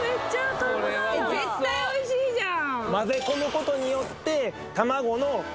絶対おいしいじゃん！